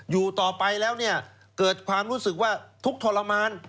อยู่ต่อไปแล้วเนี่ยเกิดความรู้สึกว่าทุกข์ทรมาน